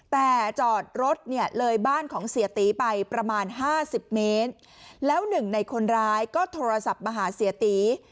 แต่จอดรถเนี่ยเลยบ้านของเสียตีไปประมาณ๕๐เมตรแล้วหนึ่งในคนร้ายก็โทรศัพท์มาหาเสียตี